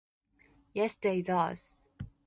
Yes, they does.